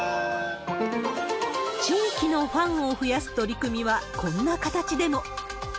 地域のファンを増やす取り組みは、こんな形でも。